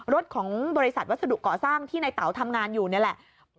รถของบริษัทวัสดุเกาะสร้างที่ในเต๋าทำงานอยู่นี่แหละ